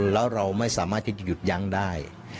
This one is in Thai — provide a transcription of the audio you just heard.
แล้วเราไม่สามารถที่จะหยุดยั้งได้